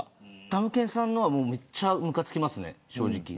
たむけんさんのはめっちゃむかつきますね、正直。